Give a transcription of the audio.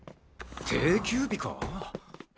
定休日か？